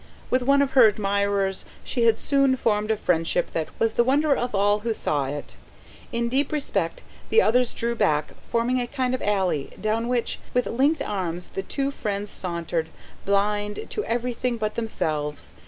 With one of her admirers she had soon formed a friendship that was the wonder of all who saw it: in deep respect the others drew back, forming a kind of allee, down which, with linked arms, the two friends sauntered, blind to everything but themselves.